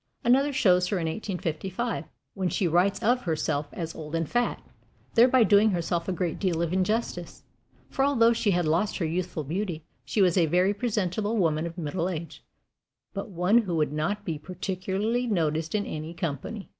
Another shows her in 1855, when she writes of herself as "old and fat" thereby doing herself a great deal of injustice; for although she had lost her youthful beauty, she was a very presentable woman of middle age, but one who would not be particularly noticed in any company.